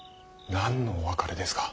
何のお別れですか。